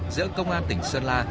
giữa công an tỉnh sơn la